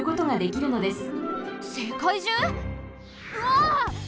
うわ！